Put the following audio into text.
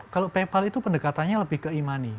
kalau paypal itu pendekatannya lebih ke e money